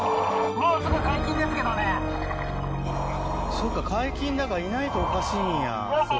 そっか解禁だからいないとおかしいんや。